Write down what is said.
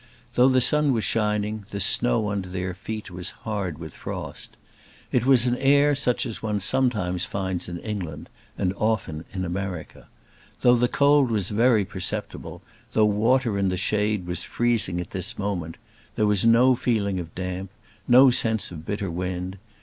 Though the sun was shining, the snow under their feet was hard with frost. It was an air such as one sometimes finds in England, and often in America. Though the cold was very perceptible, though water in the shade was freezing at this moment, there was no feeling of damp, no sense of bitter wind.